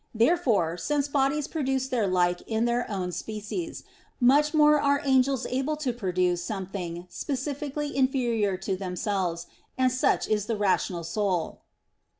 Therefore, since bodies produce their like in their own species, much more are angels able to produce something specifically inferior to themselves; and such is the rational soul.